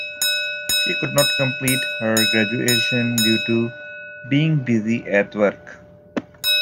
She could not complete her graduation due to being busy at work.